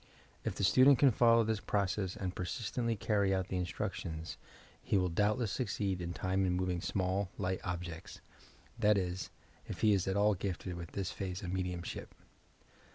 If the student can follow this process and persistently carry out the instructions, he will doubtless succeed in time in moving small, light objects, — that is, if he is at all gifted with this phase of mediumship.